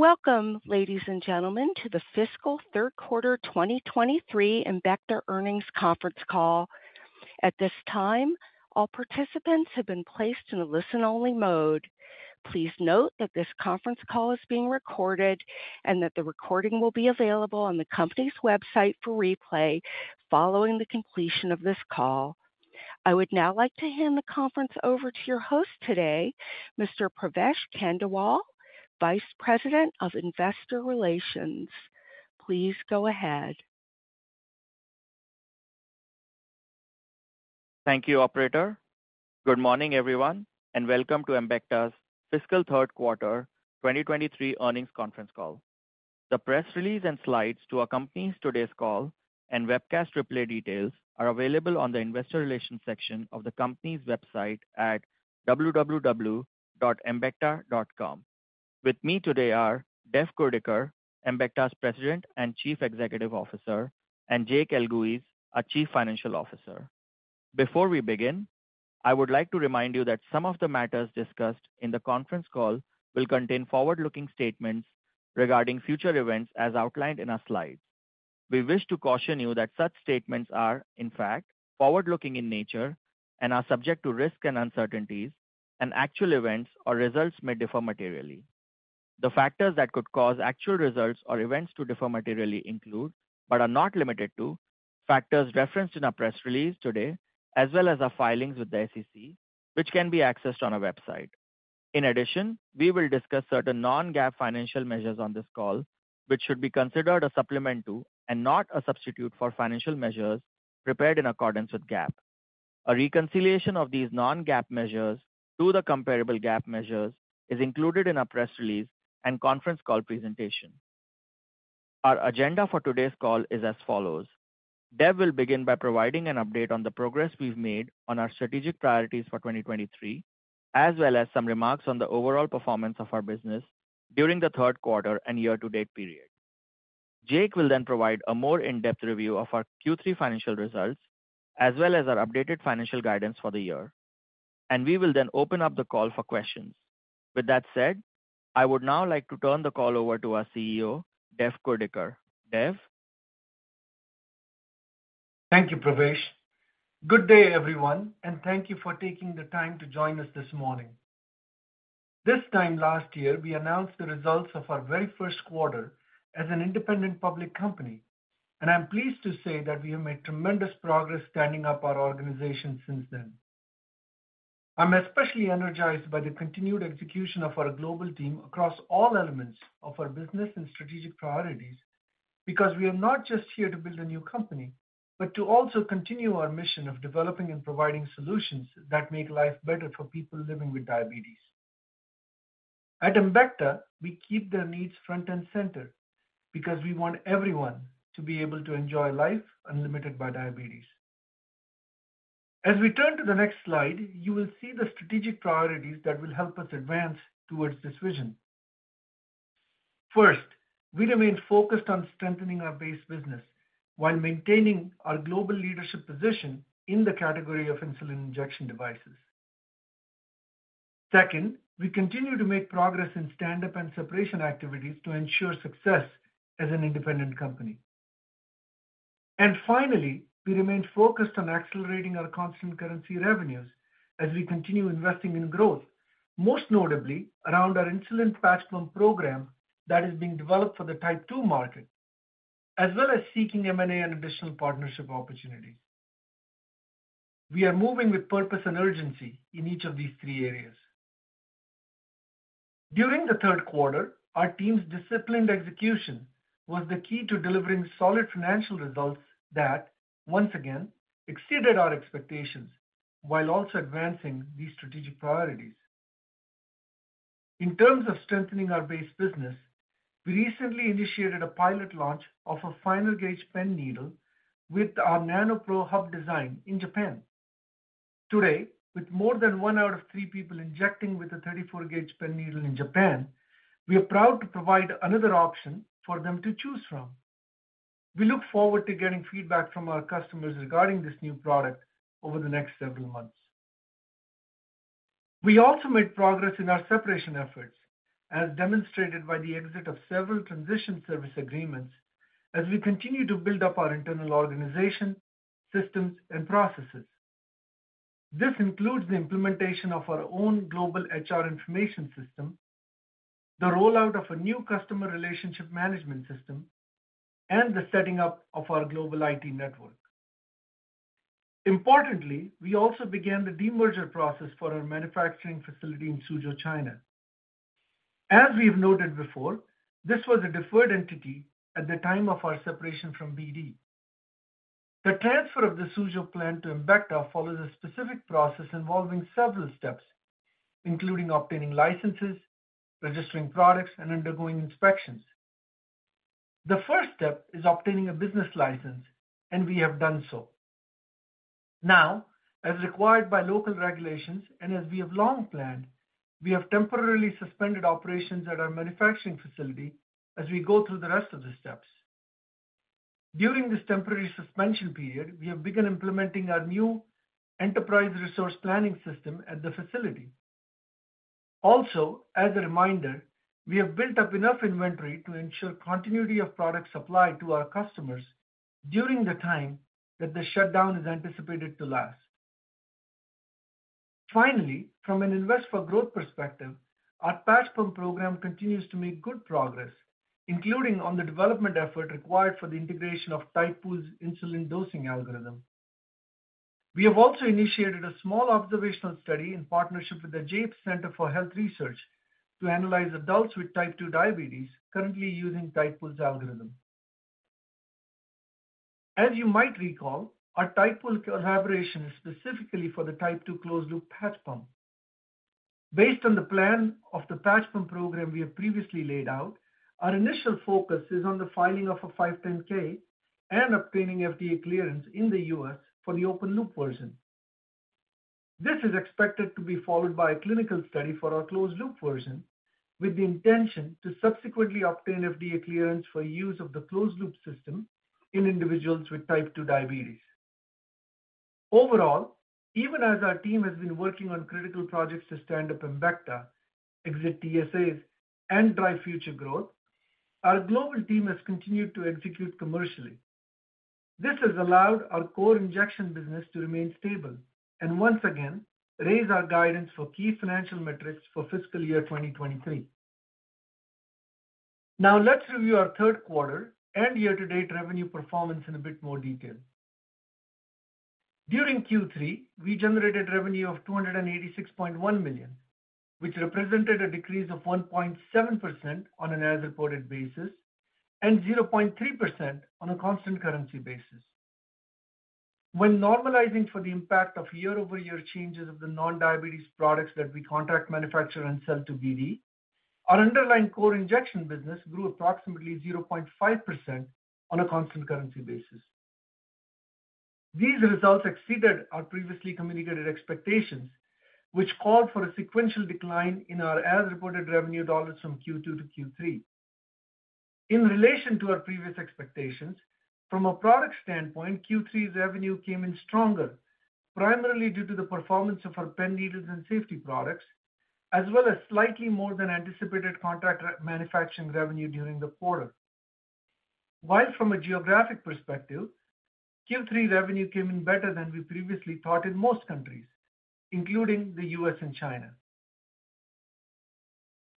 Welcome, ladies and gentlemen, to the fiscal third quarter 2023 Embecta Earnings Conference Call. At this time, all participants have been placed in a listen-only mode. Please note that this conference call is being recorded and that the recording will be available on the company's website for replay following the completion of this call. I would now like to hand the conference over to your host today, Mr. Pravesh Khandelwal, Vice President of Investor Relations. Please go ahead. Thank you, operator. Good morning, everyone, and welcome to Embecta's Fiscal Third Quarter 2023 Earnings Conference Call. The press release and slides to accompany today's call and webcast replay details are available on the investor relations section of the company's website at www.embecta.com. With me today are Dev Kurdikar, Embecta's President and Chief Executive Officer, and Jake Elguicze, our Chief Financial Officer. Before we begin, I would like to remind you that some of the matters discussed in the conference call will contain forward-looking statements regarding future events as outlined in our slides. We wish to caution you that such statements are, in fact, forward-looking in nature and are subject to risks and uncertainties, and actual events or results may differ materially. The factors that could cause actual results or events to differ materially include, but are not limited to, factors referenced in our press release today, as well as our filings with the SEC, which can be accessed on our website. In addition, we will discuss certain non-GAAP financial measures on this call, which should be considered a supplement to, and not a substitute for, financial measures prepared in accordance with GAAP. A reconciliation of these non-GAAP measures to the comparable GAAP measures is included in our press release and conference call presentation. Our agenda for today's call is as follows: Dev will begin by providing an update on the progress we've made on our strategic priorities for 2023, as well as some remarks on the overall performance of our business during the third quarter and year-to-date period. Jake will then provide a more in-depth review of our Q3 financial results, as well as our updated financial guidance for the year, and we will then open up the call for questions. With that said, I would now like to turn the call over to our CEO, Dev Kurdikar. Dev? Thank you, Pravesh. Good day, everyone. Thank you for taking the time to join us this morning. This time last year, we announced the results of our very first quarter as an independent public company. I'm pleased to say that we have made tremendous progress standing up our organization since then. I'm especially energized by the continued execution of our global team across all elements of our business and strategic priorities, because we are not just here to build a new company, but to also continue our mission of developing and providing solutions that make life better for people living with diabetes. At Embecta, we keep their needs front and center because we want everyone to be able to enjoy life unlimited by diabetes. As we turn to the next slide, you will see the strategic priorities that will help us advance towards this vision. First, we remain focused on strengthening our base business while maintaining our global leadership position in the category of insulin injection devices. Second, we continue to make progress in stand-up and separation activities to ensure success as an independent company. Finally, we remain focused on accelerating our constant currency revenues as we continue investing in growth, most notably around our insulin patch pump program that is being developed for the Type 2 market, as well as seeking M&A and additional partnership opportunities. We are moving with purpose and urgency in each of these three areas. During the third quarter, our team's disciplined execution was the key to delivering solid financial results that once again exceeded our expectations while also advancing these strategic priorities. In terms of strengthening our base business, we recently initiated a pilot launch of a final gauge pen needle with our Nano Pro hub design in Japan. Today, with more than one out of three people injecting with a 34 gauge pen needle in Japan, we are proud to provide another option for them to choose from. We look forward to getting feedback from our customers regarding this new product over the next several months. We also made progress in our separation efforts, as demonstrated by the exit of several transition service agreements as we continue to build up our internal organization, systems, and processes. This includes the implementation of our own global HR information system, the rollout of a new customer relationship management system, and the setting up of our global IT network. Importantly, we also began the demerger process for our manufacturing facility in Suzhou, China. As we've noted before, this was a deferred entity at the time of our separation from BD. The transfer of the Suzhou plant to Embecta follows a specific process involving several steps, including obtaining licenses, registering products, and undergoing inspections. The first step is obtaining a business license, and we have done so. Now, as required by local regulations and as we have long planned, we have temporarily suspended operations at our manufacturing facility as we go through the rest of the steps. During this temporary suspension period, we have begun implementing our new enterprise resource planning system at the facility. As a reminder, we have built up enough inventory to ensure continuity of product supply to our customers during the time that the shutdown is anticipated to last. Finally, from an invest for growth perspective, our patch pump program continues to make good progress, including on the development effort required for the integration of Tidepool's insulin dosing algorithm. We have also initiated a small observational study in partnership with the Jaeb Center for Health Research, to analyze adults with Type 2 diabetes currently using Tidepool's algorithm. As you might recall, our Tidepool collaboration is specifically for the Type 2 closed-loop patch pump. Based on the plan of the patch pump program we have previously laid out, our initial focus is on the filing of a 510(k) and obtaining FDA clearance in the US for the open-loop version. This is expected to be followed by a clinical study for our closed-loop version, with the intention to subsequently obtain FDA clearance for use of the closed-loop system in individuals with Type 2 diabetes. Overall, even as our team has been working on critical projects to stand up Embecta, exit TSAs, and drive future growth, our global team has continued to execute commercially. This has allowed our core injection business to remain stable and once again, raise our guidance for key financial metrics for fiscal year 2023. Now, let's review our third quarter and year-to-date revenue performance in a bit more detail. During Q3, we generated revenue of $286.1 million, which represented a decrease of 1.7% on an as-reported basis and 0.3% on a constant currency basis. When normalizing for the impact of year-over-year changes of the non-diabetes products that we contract, manufacture, and sell to BD, our underlying core injection business grew approximately 0.5% on a constant currency basis. These results exceeded our previously communicated expectations, which called for a sequential decline in our as-reported revenue dollars from Q2 to Q3. In relation to our previous expectations, from a product standpoint, Q3's revenue came in stronger, primarily due to the performance of our pen needles and safety products, as well as slightly more than anticipated contract manufacturing revenue during the quarter. While from a geographic perspective, Q3 revenue came in better than we previously thought in most countries, including the US and China.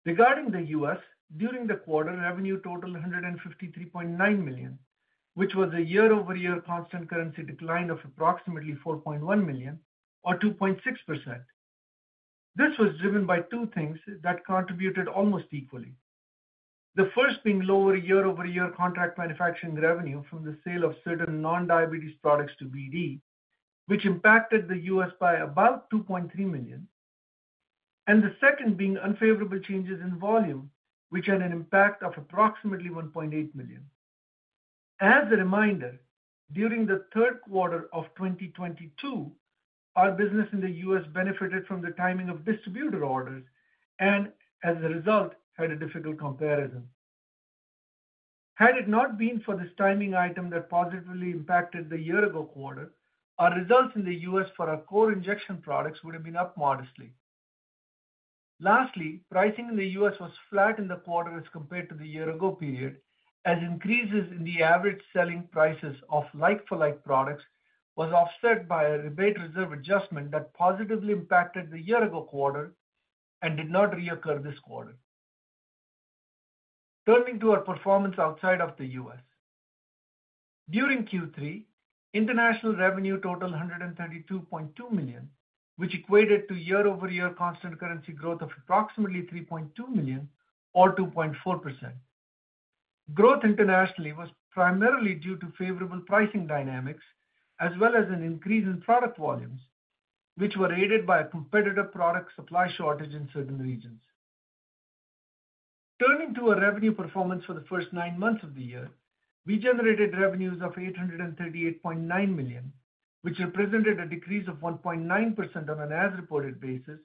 Regarding the US, during the quarter, revenue totaled $153.9 million, which was a year-over-year constant currency decline of approximately $4.1 million or 2.6%. This was driven by two things that contributed almost equally. The first being lower year-over-year contract manufacturing revenue from the sale of certain non-diabetes products to BD, which impacted the US by about $2.3 million. The second being unfavorable changes in volume, which had an impact of approximately $1.8 million. As a reminder, during the third quarter of 2022, our business in the U.S. benefited from the timing of distributor orders and as a result, had a difficult comparison. Had it not been for this timing item that positively impacted the year-ago quarter, our results in the U.S. for our core injection products would have been up modestly. Lastly, pricing in the U.S. was flat in the quarter as compared to the year-ago period, as increases in the average selling prices of like-for-like products was offset by a rebate reserve adjustment that positively impacted the year-ago quarter and did not reoccur this quarter. Turning to our performance outside of the U.S. During Q3, international revenue totaled $132.2 million, which equated to year-over-year constant currency growth of approximately $3.2 million or 2.4%. Growth internationally was primarily due to favorable pricing dynamics, as well as an increase in product volumes, which were aided by a competitive product supply shortage in certain regions. Turning to our revenue performance for the first nine months of the year, we generated revenues of $838.9 million, which represented a decrease of 1.9% on an as-reported basis,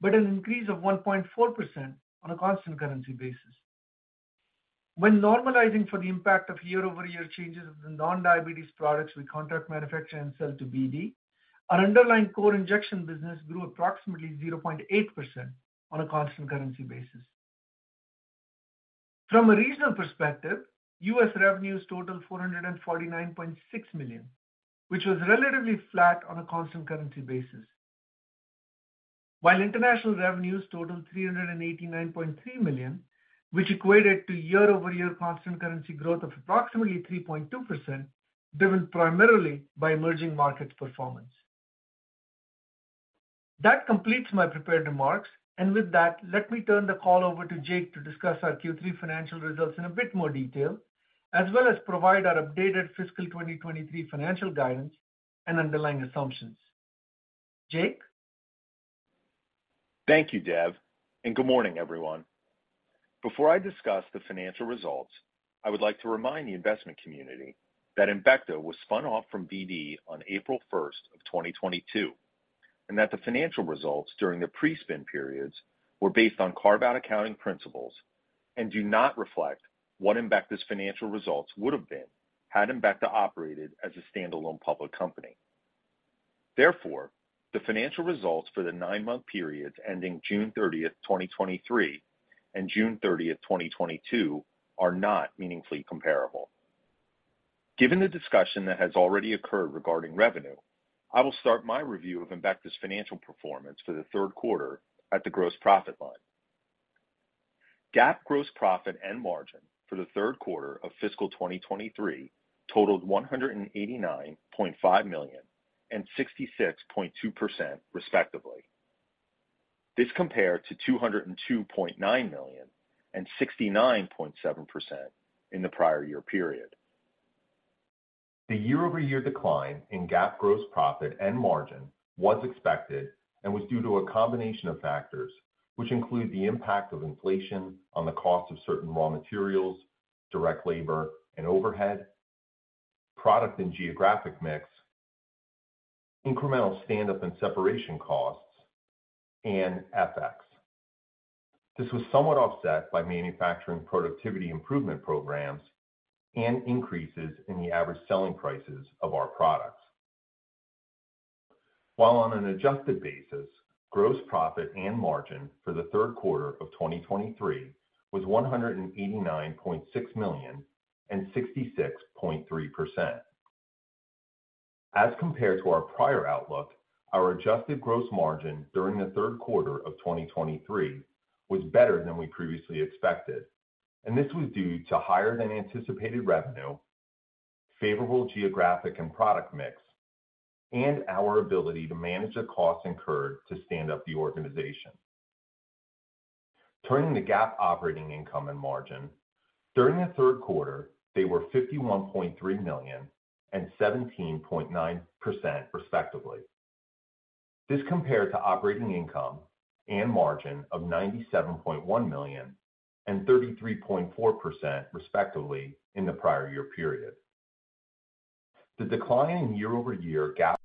but an increase of 1.4% on a constant currency basis. When normalizing for the impact of year-over-year changes in non-diabetes products we contract, manufacture, and sell to BD, our underlying core injection business grew approximately 0.8% on a constant currency basis. From a regional perspective, U.S. revenues totaled $449.6 million, which was relatively flat on a constant currency basis. While international revenues totaled $389.3 million, which equated to year-over-year constant currency growth of approximately 3.2%, driven primarily by emerging markets performance. That completes my prepared remarks, and with that, let me turn the call over to Jake Elguicze to discuss our Q3 financial results in a bit more detail, as well as provide our updated fiscal 2023 financial guidance and underlying assumptions. Jake? Thank you, Dev, and good morning, everyone. Before I discuss the financial results, I would like to remind the investment community that Embecta was spun off from BD on April 1, 2022. That the financial results during the pre-spin periods were based on carve-out accounting principles and do not reflect what Embecta's financial results would have been had Embecta operated as a standalone public company. Therefore, the financial results for the 9-month periods ending June 30, 2023, and June 30, 2022, are not meaningfully comparable. Given the discussion that has already occurred regarding revenue, I will start my review of Embecta's financial performance for the 3rd quarter at the gross profit line. GAAP gross profit and margin for the 3rd quarter of fiscal 2023 totaled $189.5 million and 66.2%, respectively. This compared to $202.9 million and 69.7% in the prior year period. The year-over-year decline in GAAP gross profit and margin was expected and was due to a combination of factors, which include the impact of inflation on the cost of certain raw materials, direct labor and overhead, product and geographic mix, incremental stand-up and separation costs, and FX. This was somewhat offset by manufacturing productivity improvement programs and increases in the average selling prices of our products. While on an adjusted basis, gross profit and margin for the third quarter of 2023 was $189.6 million and 66.3%. As compared to our prior outlook, our adjusted gross margin during the third quarter of 2023 was better than we previously expected, this was due to higher than anticipated revenue, favorable geographic and product mix, and our ability to manage the costs incurred to stand up the organization. Turning to GAAP operating income and margin. During the third quarter, they were $51.3 million and 17.9%, respectively. This compared to operating income and margin of $97.1 million and 33.4%, respectively in the prior year period. The decline in year-over-year GAAP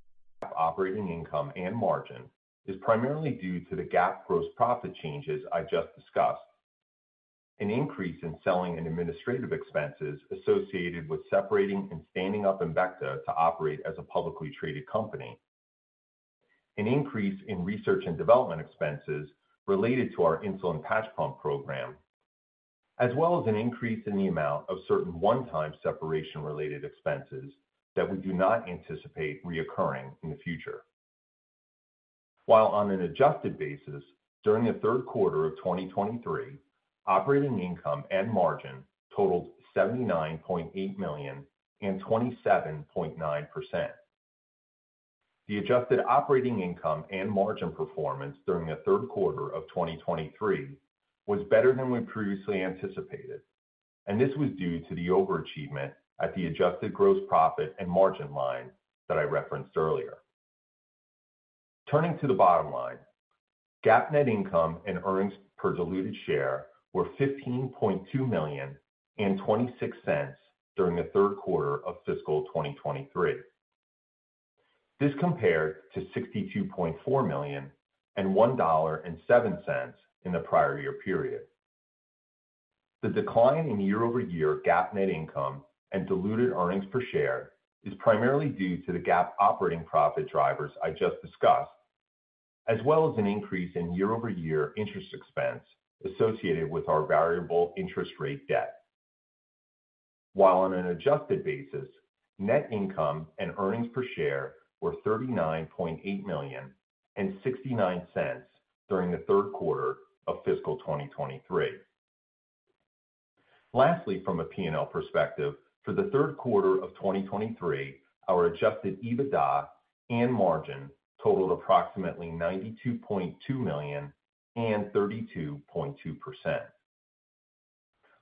operating income and margin is primarily due to the GAAP gross profit changes I just discussed. An increase in selling and administrative expenses associated with separating and standing up Embecta to operate as a publicly traded company, an increase in research and development expenses related to our insulin patch pump program, as well as an increase in the amount of certain one-time separation-related expenses that we do not anticipate reoccurring in the future. On an adjusted basis, during the third quarter of 2023, operating income and margin totaled $79.8 million and 27.9%. The adjusted operating income and margin performance during the third quarter of 2023 was better than we previously anticipated. This was due to the overachievement at the adjusted gross profit and margin line that I referenced earlier. Turning to the bottom line, GAAP net income and earnings per diluted share were $15.2 million and $0.26 during the third quarter of fiscal 2023. This compared to $62.4 million and $1.07 in the prior year period. The decline in year-over-year GAAP net income and diluted earnings per share is primarily due to the GAAP operating profit drivers I just discussed, as well as an increase in year-over-year interest expense associated with our variable interest rate debt. While on an adjusted basis, net income and earnings per share were $39.8 million and $0.69 during the third quarter of fiscal 2023. Lastly, from a P&L perspective, for the third quarter of 2023, our adjusted EBITDA and margin totaled approximately $92.2 million and 32.2%.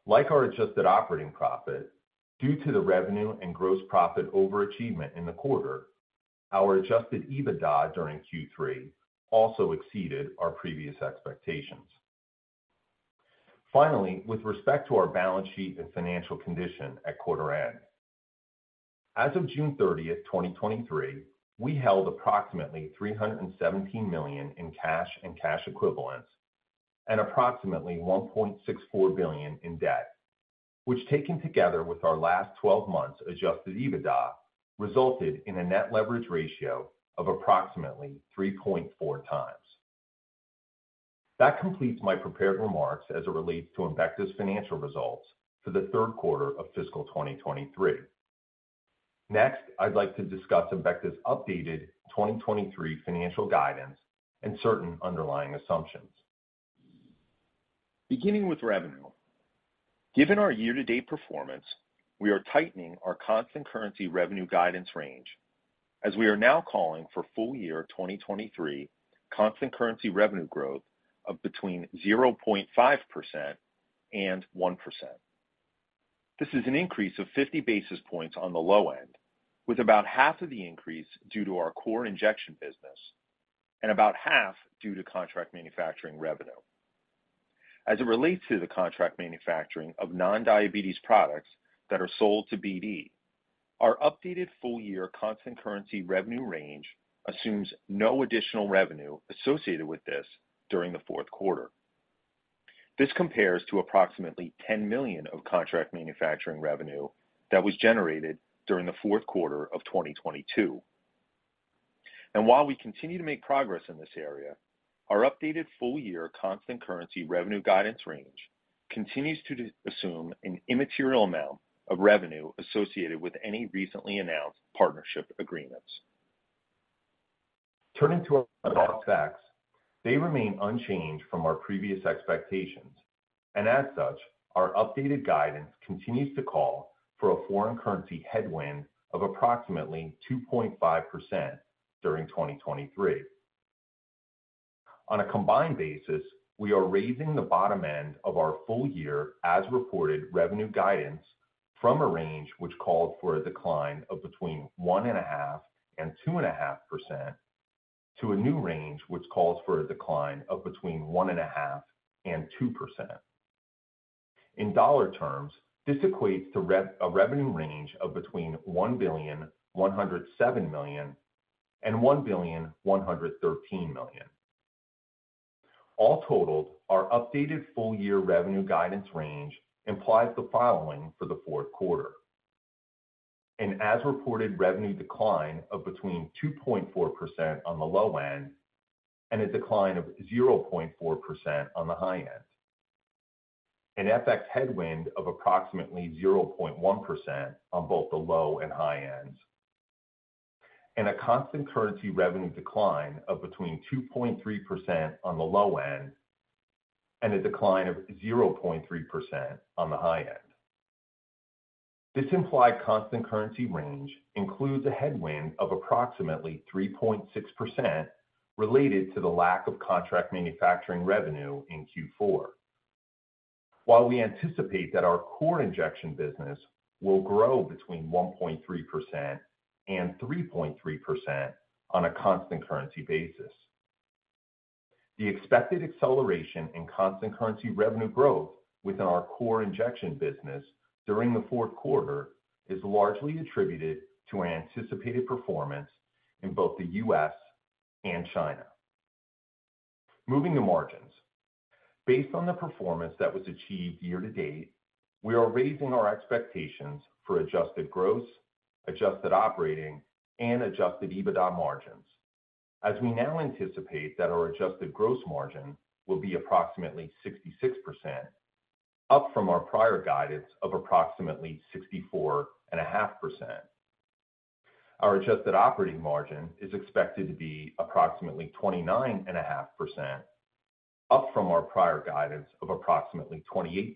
Like our adjusted operating profit, due to the revenue and gross profit overachievement in the quarter, our adjusted EBITDA during Q3 also exceeded our previous expectations. Finally, with respect to our balance sheet and financial condition at quarter end. As of June 30, 2023, we held approximately $317 million in cash and cash equivalents, and approximately $1.64 billion in debt, which, taken together with our last 12 months adjusted EBITDA, resulted in a net leverage ratio of approximately 3.4 times. That completes my prepared remarks as it relates to Embecta's financial results for the third quarter of fiscal 2023. Next, I'd like to discuss Embecta's updated 2023 financial guidance and certain underlying assumptions. Beginning with revenue. Given our year-to-date performance, we are tightening our constant currency revenue guidance range, as we are now calling for full year 2023 constant currency revenue growth of between 0.5% and 1%. This is an increase of 50 basis points on the low end, with about half of the increase due to our core injection business and about half due to contract manufacturing revenue. As it relates to the contract manufacturing of non-diabetes products that are sold to BD, our updated full year constant currency revenue range assumes no additional revenue associated with this during the fourth quarter. This compares to approximately $10 million of contract manufacturing revenue that was generated during the fourth quarter of 2022. While we continue to make progress in this area, our updated full year constant currency revenue guidance range continues to assume an immaterial amount of revenue associated with any recently announced partnership agreements. Turning to our FX, they remain unchanged from our previous expectations, and as such, our updated guidance continues to call for a foreign currency headwind of approximately 2.5% during 2023. On a combined basis, we are raising the bottom end of our full year as reported revenue guidance from a range which called for a decline of between 1.5% and 2.5%, to a new range, which calls for a decline of between 1.5% and 2%. In dollar terms, this equates to a revenue range of between $1,107 million and $1,113 million. All totaled, our updated full year revenue guidance range implies the following for the fourth quarter: an as reported revenue decline of between 2.4% on the low end and a decline of 0.4% on the high end. An FX headwind of approximately 0.1% on both the low and high ends, and a constant currency revenue decline of between 2.3% on the low end and a decline of 0.3% on the high end. This implied constant currency range includes a headwind of approximately 3.6% related to the lack of contract manufacturing revenue in Q4. While we anticipate that our core injection business will grow between 1.3% and 3.3% on a constant currency basis, the expected acceleration in constant currency revenue growth within our core injection business during the fourth quarter is largely attributed to anticipated performance in both the U.S. and China. Moving to margins. Based on the performance that was achieved year to date, we are raising our expectations for adjusted gross, adjusted operating, and adjusted EBITDA margins, as we now anticipate that our adjusted gross margin will be approximately 66%, up from our prior guidance of approximately 64.5%. Our adjusted operating margin is expected to be approximately 29.5%, up from our prior guidance of approximately 28%.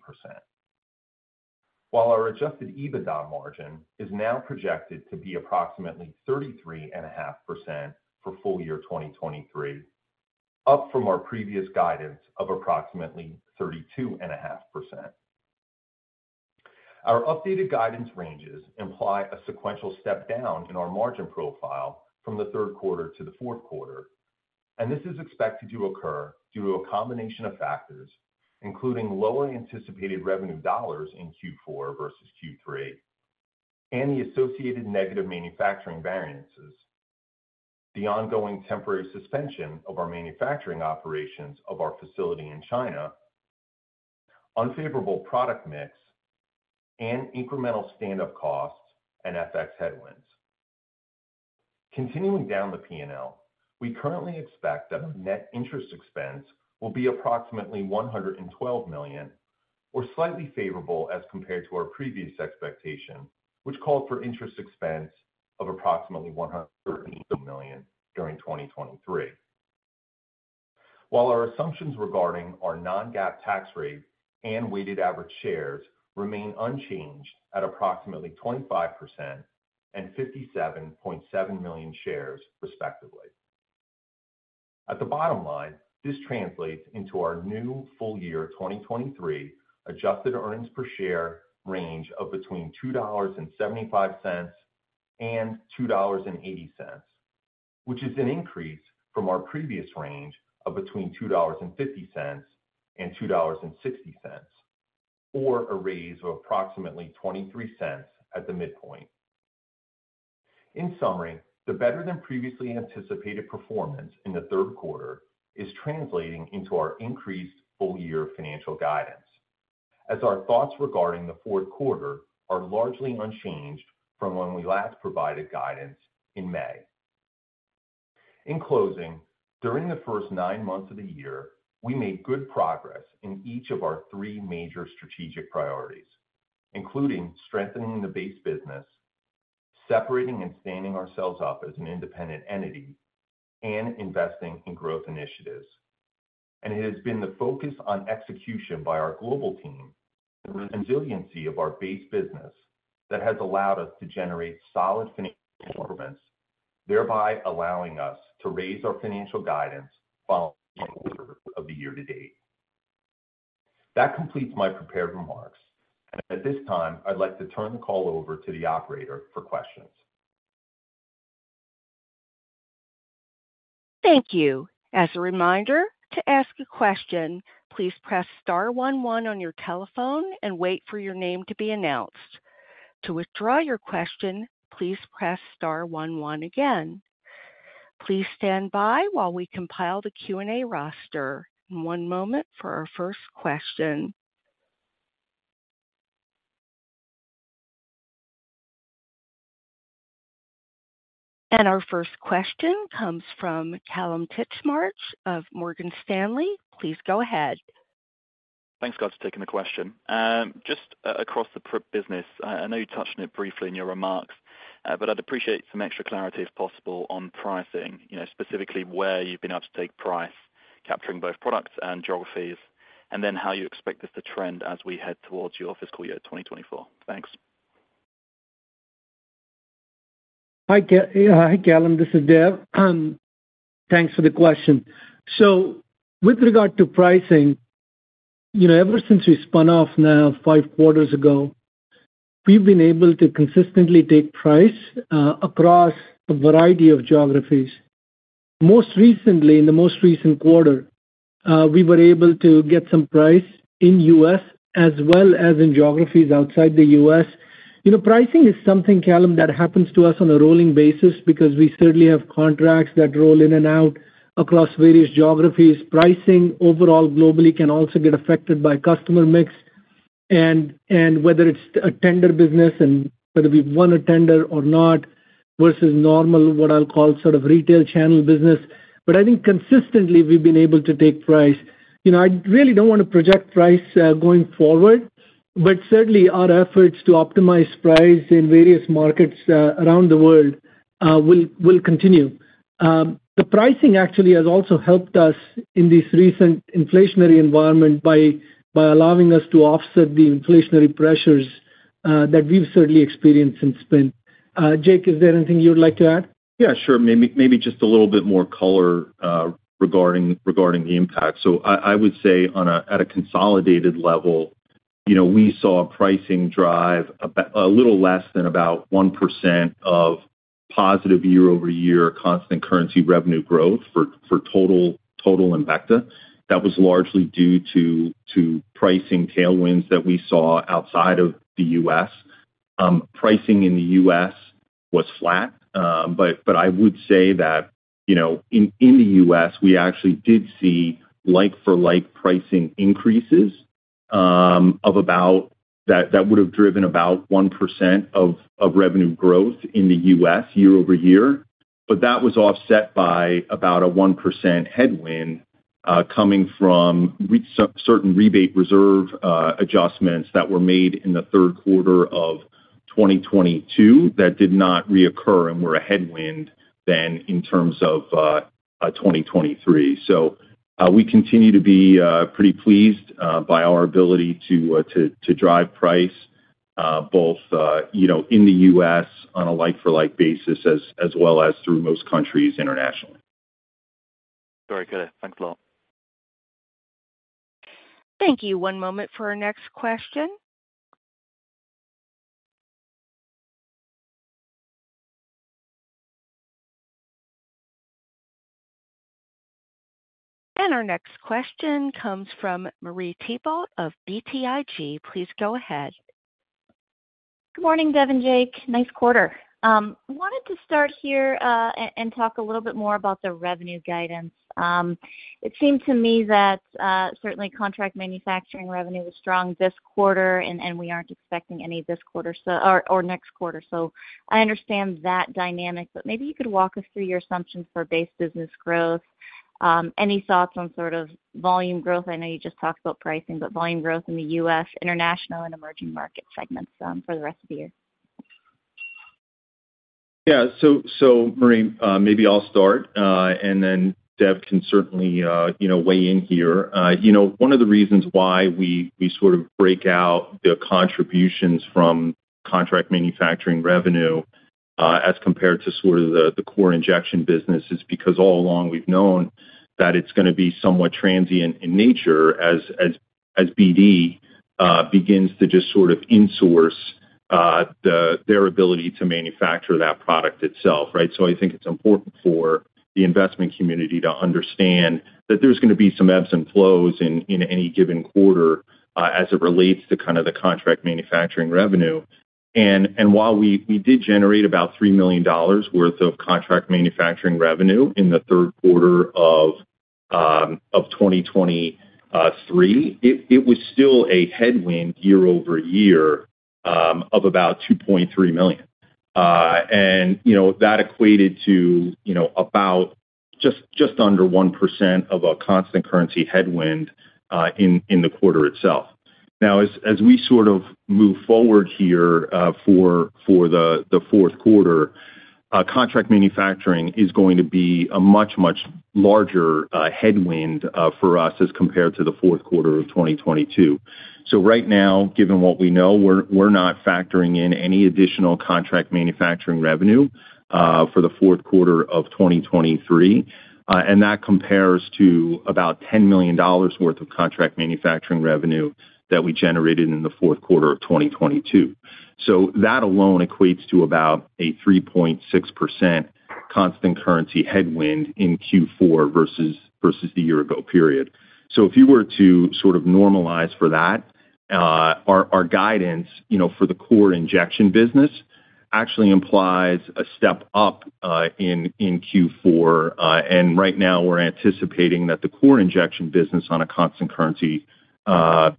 While our adjusted EBITDA margin is now projected to be approximately 33.5% for full year 2023, up from our previous guidance of approximately 32.5%. Our updated guidance ranges imply a sequential step down in our margin profile from the third quarter to the fourth quarter, and this is expected to occur due to a combination of factors, including lower anticipated revenue dollars in Q4 versus Q3, and the associated negative manufacturing variances, the ongoing temporary suspension of our manufacturing operations of our facility in China, unfavorable product mix, and incremental stand-up costs and FX headwinds. Continuing down the P&L, we currently expect that net interest expense will be approximately $112 million, or slightly favorable as compared to our previous expectation, which called for interest expense of approximately $130 million during 2023. While our assumptions regarding our non-GAAP tax rate and weighted average shares remain unchanged at approximately 25% and 57.7 million shares, respectively. At the bottom line, this translates into our new full year 2023 adjusted earnings per share range of between $2.75 and $2.80, which is an increase from our previous range of between $2.50 and $2.60, or a raise of approximately $0.23 at the midpoint. In summary, the better than previously anticipated performance in the third quarter is translating into our increased full year financial guidance, as our thoughts regarding the fourth quarter are largely unchanged from when we last provided guidance in May. In closing, during the first nine months of the year, we made good progress in each of our three major strategic priorities, including strengthening the base business, separating and standing ourselves up as an independent entity, and investing in growth initiatives. It has been the focus on execution by our global team and resiliency of our base business that has allowed us to generate solid financial performance, thereby allowing us to raise our financial guidance following of the year to date. That completes my prepared remarks, and at this time, I'd like to turn the call over to the operator for questions. Thank you. As a reminder, to ask a question, please press star one one on your telephone and wait for your name to be announced. To withdraw your question, please press star one one again. Please stand by while we compile the Q&A roster. One moment for our first question. And our first question comes from Callum Titchmarsh of Morgan Stanley. Please go ahead. Thanks, guys, for taking the question. Just across the prep business, I know you touched on it briefly in your remarks, but I'd appreciate some extra clarity, if possible, on pricing. You know, specifically where you've been able to take price, capturing both products and geographies, and then how you expect this to trend as we head towards your fiscal year 2024. Thanks. Hi, Callum. This is Dev. Thanks for the question. With regard to pricing, you know, ever since we spun off now 5 quarters ago, we've been able to consistently take price across a variety of geographies. Most recently, in the most recent quarter, we were able to get some price in the U.S. as well as in geographies outside the U.S. You know, pricing is something, Callum, that happens to us on a rolling basis because we certainly have contracts that roll in and out across various geographies. Pricing overall globally can also get affected by customer mix and whether it's a tender business and whether we've won a tender or not, versus normal, what I'll call sort of retail channel business. I think consistently we've been able to take price. You know, I really don't wanna project price going forward, but certainly our efforts to optimize price in various markets around the world will, will continue. The pricing actually has also helped us in this recent inflationary environment by, by allowing us to offset the inflationary pressures that we've certainly experienced since then. Jake, is there anything you'd like to add? Yeah, sure. Maybe, maybe just a little bit more color regarding, regarding the impact. I, I would say on a- at a consolidated level, you know, we saw pricing drive about... a little less than about 1% of positive year-over-year constant currency revenue growth for, for total, total Embecta. That was largely due to, to pricing tailwinds that we saw outside of the US. Pricing in the US was flat, but, but I would say that, you know, in, in the US, we actually did see like-for-like pricing increases of about- that, that would have driven about 1% of, of revenue growth in the US year-over-year. That was offset by about a 1% headwind, coming from certain rebate reserve adjustments that were made in the third quarter of 2022 that did not reoccur and were a headwind then in terms of 2023. We continue to be pretty pleased by our ability to drive price, both, you know, in the U.S. on a like-for-like basis as well as through most countries internationally. Very good. Thanks a lot. Thank you. One moment for our next question. Our next question comes from Marie Thibault of BTIG. Please go ahead. Good morning, Dev and Jake. Nice quarter. I wanted to start here, and talk a little bit more about the revenue guidance. It seemed to me that, certainly contract manufacturing revenue was strong this quarter, and we aren't expecting any this quarter, so or next quarter. I understand that dynamic, but maybe you could walk us through your assumptions for base business growth. Any thoughts on sort of volume growth? I know you just talked about pricing, but volume growth in the US, international, and emerging market segments, for the rest of the year. Yeah. Marie, maybe I'll start, and then Dev can certainly, you know, weigh in here. You know, one of the reasons why we, we sort of break out the contributions from contract manufacturing revenue, as compared to sort of the, the core injection business, is because all along we've known that it's gonna be somewhat transient in nature as, as, as BD begins to just sort of insource the, their ability to manufacture that product itself, right? I think it's important for the investment community to understand that there's gonna be some ebbs and flows in, in any given quarter, as it relates to kind of the contract manufacturing revenue. While we did generate about $3 million worth of contract manufacturing revenue in the third quarter of 2023, it was still a headwind year-over-year of about $2.3 million. You know, that equated to, you know, about just under 1% of our constant currency headwind in the quarter itself. As we sort of move forward here for the fourth quarter, contract manufacturing is going to be a much, much larger headwind for us as compared to the fourth quarter of 2022. Right now, given what we know, we're not factoring in any additional contract manufacturing revenue for the fourth quarter of 2023, and that compares to about $10 million worth of contract manufacturing revenue that we generated in the fourth quarter of 2022. That alone equates to about a 3.6% constant currency headwind in Q4 versus the year ago period. If you were to sort of normalize for that, our guidance, you know, for the core injection business actually implies a step up in Q4. Right now, we're anticipating that the core injection business on a constant currency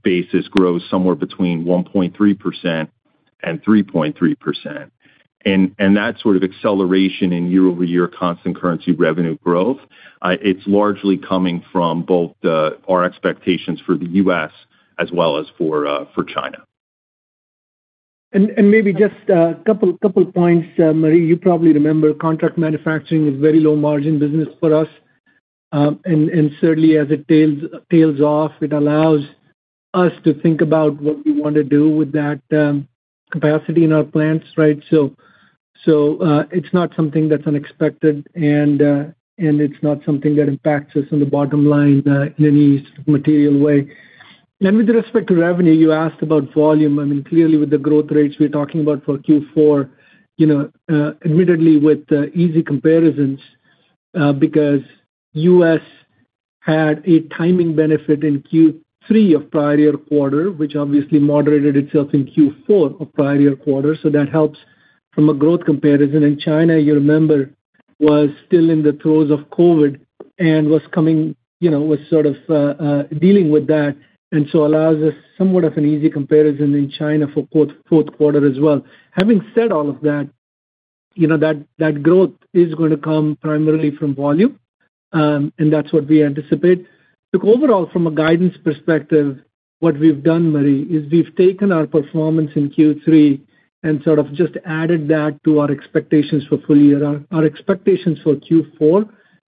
basis grows somewhere between 1.3% and 3.3%. That sort of acceleration in year-over-year constant currency revenue growth, it's largely coming from both, our expectations for the US as well as for, for China. Maybe just a couple points, Marie Thibault. You probably remember contract manufacturing is very low margin business for us. Certainly as it tails off, it allows us to think about what we want to do with that capacity in our plants, right? It's not something that's unexpected, it's not something that impacts us on the bottom line in any material way. With respect to revenue, you asked about volume. I mean, clearly, with the growth rates we're talking about for Q4, you know, admittedly with easy comparisons, because US had a timing benefit in Q3 of prior year quarter, which obviously moderated itself in Q4 of prior year quarter, that helps from a growth comparison. In China, you remember, was still in the throes of COVID and was coming, you know, was sort of dealing with that, and so allows us somewhat of an easy comparison in China for fourth, fourth quarter as well. Having said all of that, you know, that, that growth is going to come primarily from volume, and that's what we anticipate. Look, overall, from a guidance perspective, what we've done, Marie, is we've taken our performance in Q3 and sort of just added that to our expectations for full year. Our, our expectations for Q4,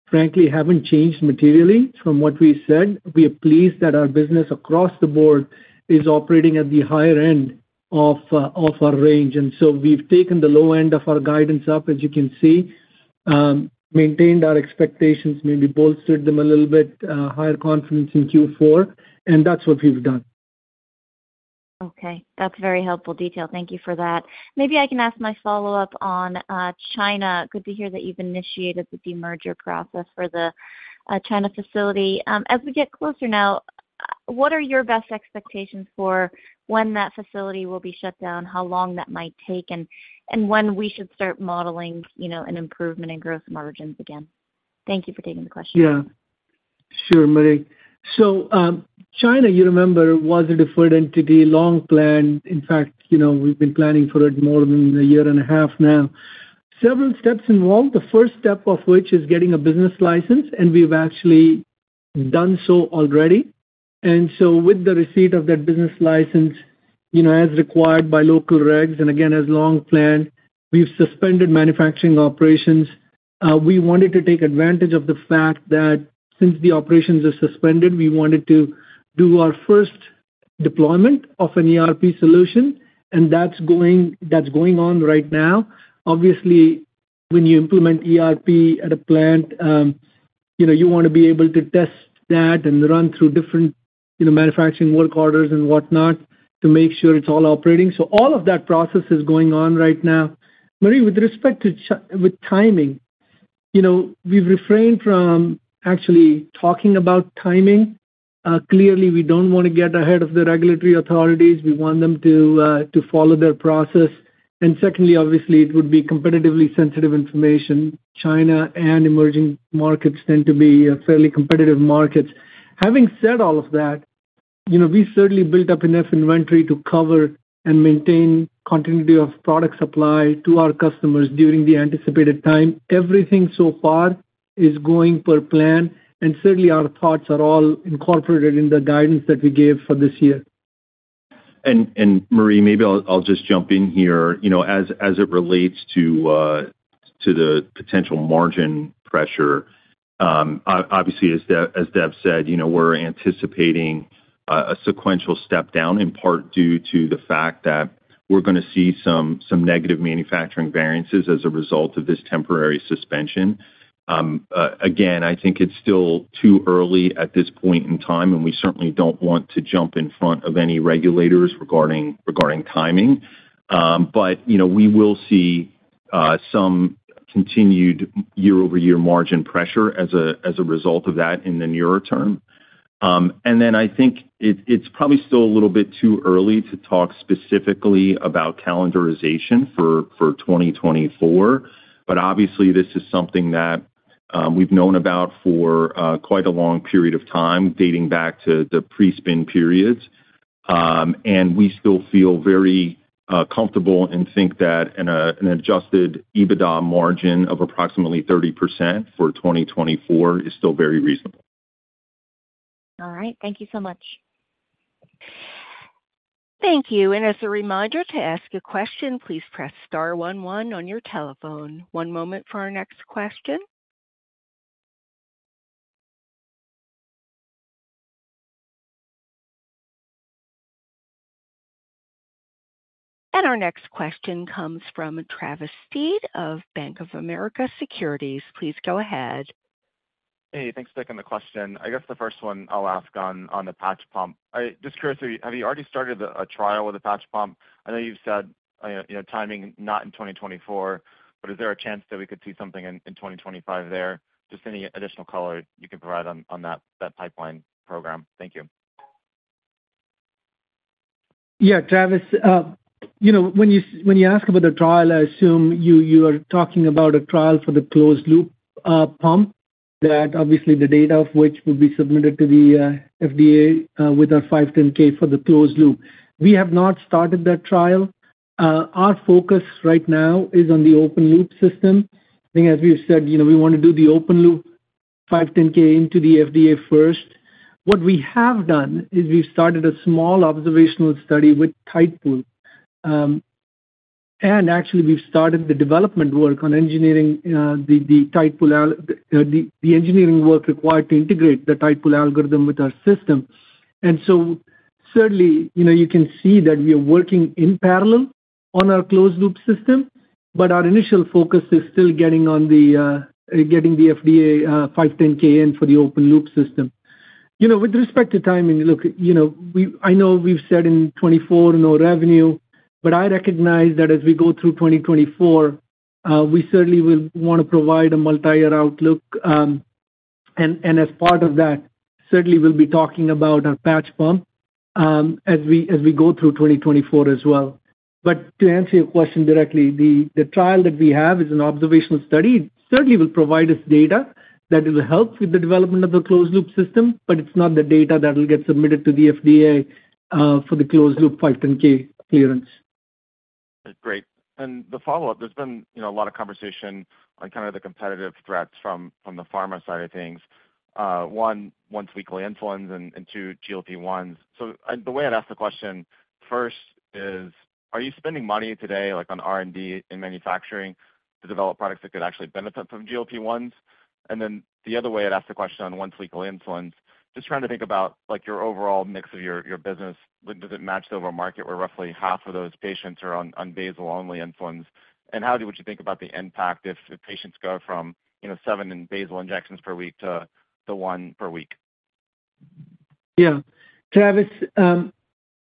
frankly, haven't changed materially from what we said. We are pleased that our business across the board is operating at the higher end of, of our range. We've taken the low end of our guidance up, as you can see, maintained our expectations, maybe bolstered them a little bit, higher confidence in Q4. That's what we've done. Okay, that's very helpful detail. Thank you for that. Maybe I can ask my follow-up on China. Good to hear that you've initiated the demerger process for the China facility. As we get closer now, what are your best expectations for when that facility will be shut down, how long that might take, and, and when we should start modeling, you know, an improvement in growth margins again? Thank you for taking the question. Yeah, sure, Marie. China, you remember, was a deferred entity, long planned. In fact, you know, we've been planning for it more than a year and a half now. Several steps involved, the first step of which is getting a business license, and we've actually done so already. With the receipt of that business license, you know, as required by local regs, and again, as long planned, we've suspended manufacturing operations. We wanted to take advantage of the fact that since the operations are suspended, we wanted to do our first deployment of an ERP solution, and that's going, that's going on right now. Obviously, when you implement ERP at a plant, you know, you want to be able to test that and run through different, you know, manufacturing work orders and whatnot, to make sure it's all operating. All of that process is going on right now. Marie, with respect to with timing, you know, we've refrained from actually talking about timing. Clearly, we don't want to get ahead of the regulatory authorities. We want them to to follow their process. Secondly, obviously, it would be competitively sensitive information. China and emerging markets tend to be a fairly competitive markets. Having said all of that, you know, we certainly built up enough inventory to cover and maintain continuity of product supply to our customers during the anticipated time. Everything so far is going per plan, and certainly, our thoughts are all incorporated in the guidance that we gave for this year. Marie, maybe I'll, I'll just jump in here. You know, as, as it relates to, to the potential margin pressure, obviously, as Deb, as Deb said, you know, we're anticipating a sequential step down, in part due to the fact that we're gonna see some, some negative manufacturing variances as a result of this temporary suspension. Again, I think it's still too early at this point in time, and we certainly don't want to jump in front of any regulators regarding, regarding timing. But, you know, we will see some continued year-over-year margin pressure as a, as a result of that in the nearer term. Then I think it's probably still a little bit too early to talk specifically about calendarization for, for 2024, but obviously, this is something that, we've known about for quite a long period of time, dating back to the pre-spin periods. We still feel very comfortable and think that an adjusted EBITDA margin of approximately 30% for 2024 is still very reasonable. All right. Thank you so much. Thank you. As a reminder, to ask a question, please press star one, one on your telephone. One moment for our next question. Our next question comes from Travis Steed of Bank of America Securities. Please go ahead. Hey, thanks for taking the question. I guess the first one I'll ask on, on the patch pump. Just curiously, have you already started the, a trial with the patch pump? I know you've said, you know, timing, not in 2024, but is there a chance that we could see something in, in 2025 there? Just any additional color you can provide on, on that, that pipeline program. Thank you. Yeah, Travis, you know, when you, when you ask about the trial, I assume you, you are talking about a trial for the closed-loop pump, that obviously the data of which will be submitted to the FDA with our 510(k) for the closed-loop. We have not started that trial. Our focus right now is on the open-loop system. I think as we have said, you know, we want to do the open-loop 510(k) into the FDA first. What we have done, is we started a small observational study with Tidepool. Actually, we've started the development work on engineering the, the engineering work required to integrate the Tidepool algorithm with our system. Certainly, you know, you can see that we are working in parallel on our closed-loop system, but our initial focus is still getting on the, getting the FDA, 510(k) in for the open-loop system. You know, with respect to timing, look, you know, I know we've said in 2024, no revenue, but I recognize that as we go through 2024, we certainly will wanna provide a multi-year outlook. As part of that, certainly we'll be talking about our patch pump, as we, as we go through 2024 as well. To answer your question directly, the, the trial that we have is an observational study. It certainly will provide us data that will help with the development of the closed-loop system, but it's not the data that will get submitted to the FDA for the closed-loop 510(k) clearance. Great. The follow-up, there's been, you know, a lot of conversation on kind of the competitive threats from the pharma side of things. 1, once-weekly insulins and 2, GLP-1s. The way I'd ask the question, first is, are you spending money today, like, on R&D in manufacturing, to develop products that could actually benefit from GLP-1s? The other way I'd ask the question on once-weekly insulins, just trying to think about, like, your overall mix of your, your business. Like, does it match the overall market where roughly half of those patients are on, on basal-only insulins? How would you think about the impact if the patients go from, you know, 7 in basal injections per week to 1 per week? Yeah. Travis,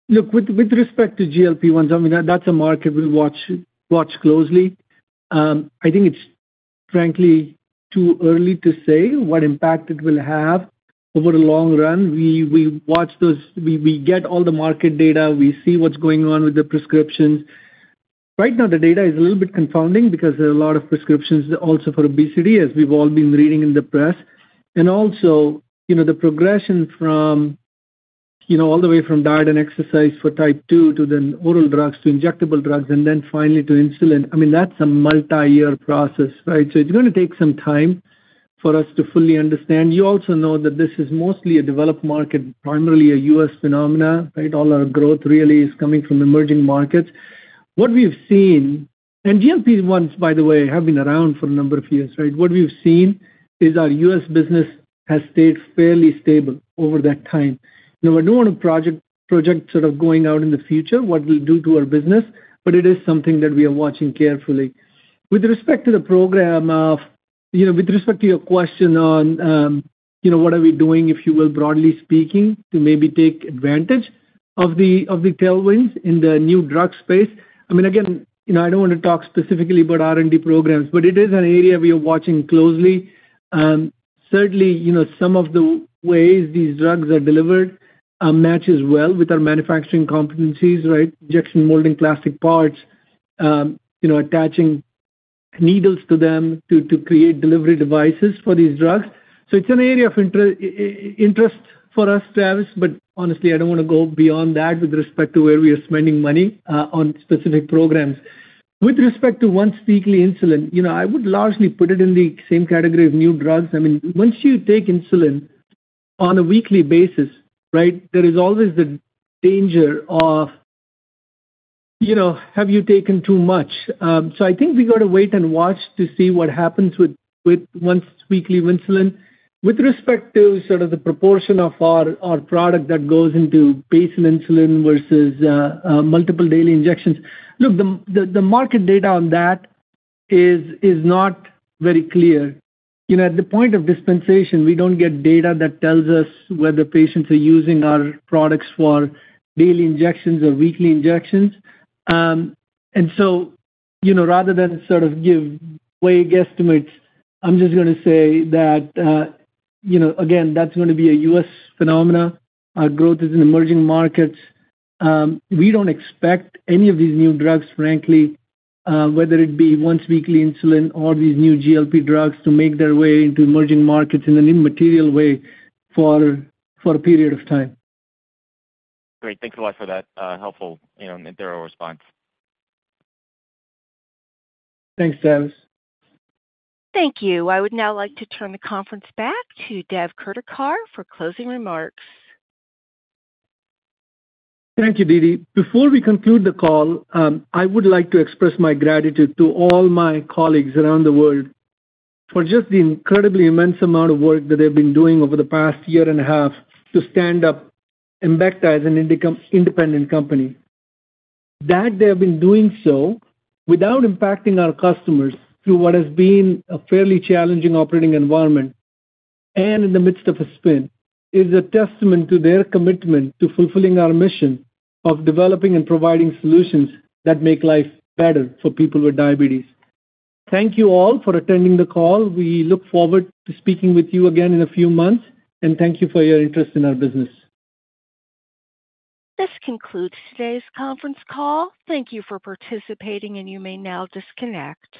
look, with, with respect to GLP-1s, I mean, that, that's a market we'll watch, watch closely. I think it's frankly, too early to say what impact it will have over the long run. We, we watch those We, we get all the market data, we see what's going on with the prescriptions. Right now, the data is a little bit confounding because there are a lot of prescriptions also for obesity, as we've all been reading in the press. Also, you know, the progression from, you know, all the way from diet and exercise for Type 2, to then oral drugs, to injectable drugs, and then finally to insulin, I mean, that's a multi-year process, right? It's gonna take some time for us to fully understand. You also know that this is mostly a developed market, primarily a US phenomena, right? All our growth really is coming from emerging markets. What we've seen, GLP-1s, by the way, have been around for a number of years, right? What we've seen is our US business has stayed fairly stable over that time. Now, I don't want to project sort of going out in the future, what we do to our business, but it is something that we are watching carefully. With respect to the program, you know, with respect to your question on, you know, what are we doing, if you will, broadly speaking, to maybe take advantage of the tailwinds in the new drug space? I mean, again, you know, I don't want to talk specifically about R&D programs, but it is an area we are watching closely. Certainly, you know, some of the ways these drugs are delivered, matches well with our manufacturing competencies, right? Injection molding, plastic parts, you know, attaching needles to them to create delivery devices for these drugs. So it's an area of interest for us, Travis, but honestly, I don't want to go beyond that with respect to where we are spending money on specific programs. With respect to once-weekly insulin, you know, I would largely put it in the same category of new drugs. I mean, once you take insulin on a weekly basis, right, there is always the danger of, you know, have you taken too much? So I think we got to wait and watch to see what happens with, with once-weekly insulin. With respect to sort of the proportion of our, our product that goes into basal insulin versus multiple daily injections, look, the market data on that is not very clear. You know, at the point of dispensation, we don't get data that tells us whether patients are using our products for daily injections or weekly injections. You know, rather than sort of give way guesstimates, I'm just gonna say that, you know, again, that's gonna be a US phenomena. Our growth is in emerging markets. We don't expect any of these new drugs, frankly, whether it be once-weekly insulin or these new GLP drugs, to make their way into emerging markets in an immaterial way for a period of time. Great. Thank you so much for that, helpful, you know, thorough response. Thanks, Travis. Thank you. I would now like to turn the conference back to Dev Kurdikar for closing remarks. Thank you, Didi. Before we conclude the call, I would like to express my gratitude to all my colleagues around the world for just the incredibly immense amount of work that they've been doing over the past year and a half to stand up and back us as an independent company. That they have been doing so without impacting our customers through what has been a fairly challenging operating environment and in the midst of a spin, is a testament to their commitment to fulfilling our mission of developing and providing solutions that make life better for people with diabetes. Thank you all for attending the call. We look forward to speaking with you again in a few months. Thank you for your interest in our business. This concludes today's conference call. Thank you for participating, and you may now disconnect.